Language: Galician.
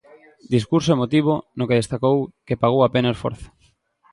Discurso emotivo no que destacou que pagou a pena o esforzo.